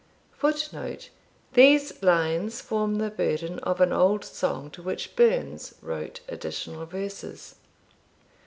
[Footnote: These lines form the burden of an old song to which Burns wrote additional verses.